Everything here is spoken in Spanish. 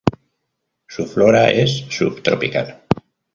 Su flora es subtropical.